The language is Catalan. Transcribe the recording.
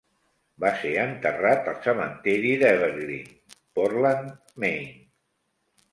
Va ser enterrat al cementiri d'Evergreen, Portland, Maine.